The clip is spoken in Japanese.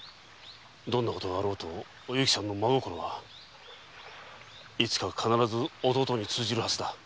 どんなことがあろうとお幸さんの真心はいつか必ず弟に通じるはずだ。